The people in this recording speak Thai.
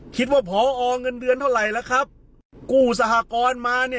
ว่าพอเงินเดือนเท่าไหร่ล่ะครับกู้สหกรณ์มาเนี่ย